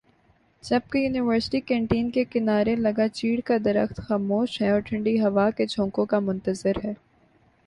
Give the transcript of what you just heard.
جبکہ university canteen کے کنارے لگا چیڑ کا درخت خاموش ہےاور ٹھنڈی ہوا کے جھونکوں کا منتظر ہے